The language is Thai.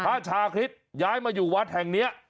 พระชาคริสต์ย้ายมาอยู่วัดแห่งนี้